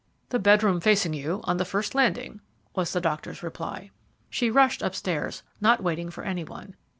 "The bedroom facing you on the first landing," was the doctor's reply. She rushed upstairs, not waiting for any one.